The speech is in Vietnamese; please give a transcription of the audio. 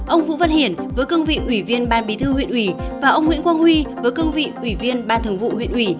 ông vũ văn hiển với cương vị ủy viên ban bí thư huyện ủy và ông nguyễn quang huy với cương vị ủy viên ban thường vụ huyện ủy